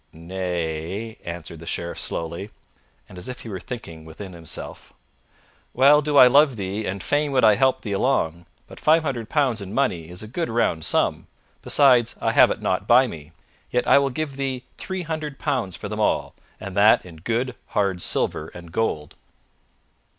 "Nay," answered the Sheriff slowly, and as if he were thinking within himself, "well do I love thee, and fain would I help thee along, but five hundred pounds in money is a good round sum; besides I have it not by me. Yet I will give thee three hundred pounds for them all, and that in good hard silver and gold."